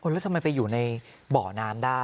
แล้วทำไมไปอยู่ในบ่อน้ำได้